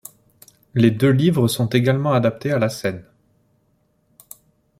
Les deux livres sont également adaptés à la scène.